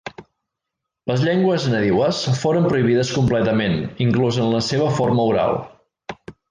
Les llengües nadiues fores prohibides completament inclús en la seva forma oral.